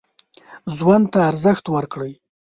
ژوند ته ارزښت ورکړئ.